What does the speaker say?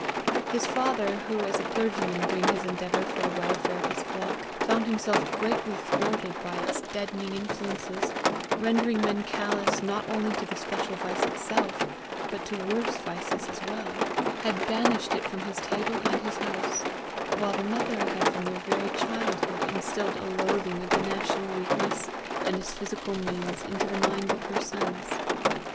His father, who, as a clergyman doing his endeavour for the welfare of his flock, found himself greatly thwarted by its deadening influences, rendering men callous not only to the special vice itself, but to worse vices as well, had banished it from his table and his house; while the mother had from their very childhood instilled a loathing of the national weakness and its physical means into the minds of her sons.